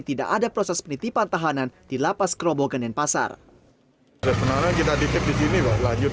tidak ada proses penitipan tahanan dilapas keroboh genden pasar kita di sini lanjut